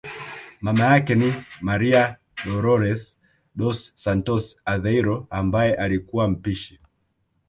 Mama yake ni Maria Dolores dos Santos Aveiro ambaye alikuwa mpishi